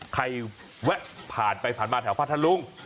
ใครแวะผ่านไปผ่านมาแถวพระทะลุง